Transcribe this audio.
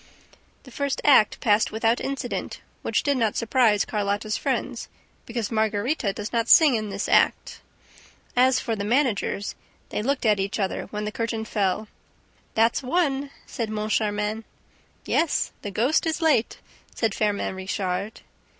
The first act passed without incident, which did not surprise Carlotta's friends, because Margarita does not sing in this act. As for the managers, they looked at each other, when the curtain fell. "That's one!" said Moncharmin. "Yes, the ghost is late," said Firmin Richard.